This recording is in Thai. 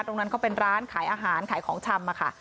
ตรงนั้นเขาเป็นร้านขายอาหารขายของชำอะค่ะ